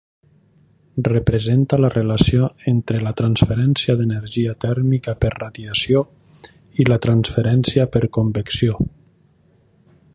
Representa la relació entre la transferència d'energia tèrmica per radiació i la transferència per convecció.